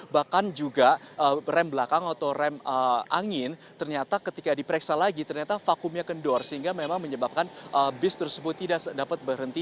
bahkan juga rem belakang atau rem angin ternyata ketika diperiksa lagi ternyata vakumnya kendor sehingga memang menyebabkan bis tersebut tidak dapat berhenti